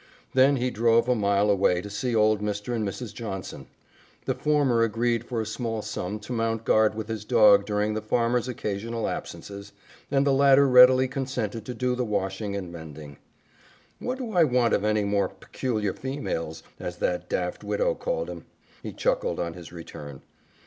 Then he drove a mile away to see old Mr. And Mrs. Johnson. The former agreed for a small sum to mount guard with his dog during the farmer's occasional absences, and the latter readily consented to do the washing and mending. "What do I want of any more 'peculiar females,' as that daft widow called 'em?" he chuckled on his return.